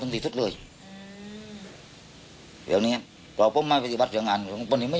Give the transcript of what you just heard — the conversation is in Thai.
ทีนี้นักข่าวของเรา